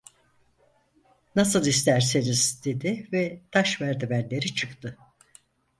"Nasıl isterseniz!" dedi ve taş merdivenleri çıktı.